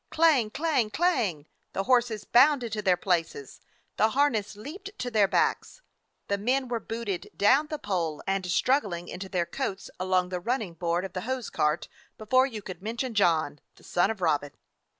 Clang! Clang! Clang! The horses bounded to their places, the harness leaped to their backs, the men were booted, down the pole, and struggling into their coats along the run ning board of the hose cart before you could mention John, the son of Robin.